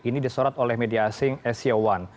ini disurat oleh media asing sco satu